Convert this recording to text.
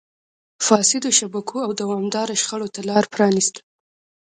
فاسدو شبکو او دوامداره شخړو ته لار پرانیسته.